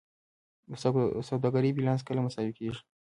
د سوداګرۍ بیلانس کله مساوي کیږي؟